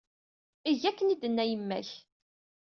Eg akken ay d-tenna yemma-k.